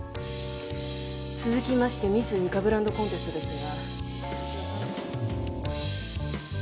続きましてミスミカブランドコンテストですが。